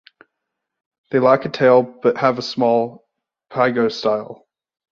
They lack a tail, but have a small pygostyle.